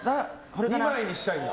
２枚にしたいんだ。